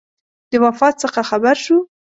د وفات څخه خبر شو.